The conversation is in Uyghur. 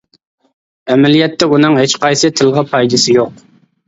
ئەمەلىيەتتە ئۇنىڭ ھېچقايسى تىلغا پايدىسى يوق.